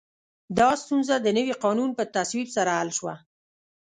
دا ستونزه د نوي قانون په تصویب سره حل شوه.